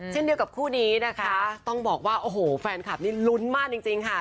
เช่นเดียวกับคู่นี้นะคะต้องบอกว่าโอ้โหแฟนคลับนี่ลุ้นมากจริงค่ะ